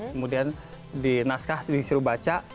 kemudian dinaskah disuruh baca